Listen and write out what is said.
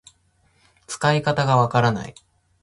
使い方がわからない